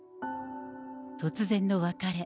突然の別れ。